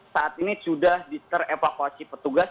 saat ini sudah direvakuasi petugas